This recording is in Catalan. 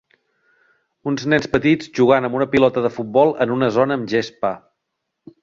Uns nens petits jugant amb una pilota de futbol en una zona amb gespa.